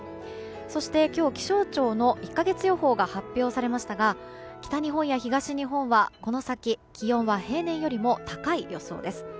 そして今日、気象庁の１か月予報が発表されましたが北日本や東日本はこの先気温は平年より高い予想です。